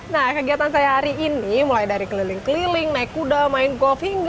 nah kegiatan saya hari ini mulai dari keliling keliling naik kuda main golfing